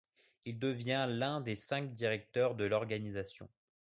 Il devient l'un des cinq directeurs de l'organisation.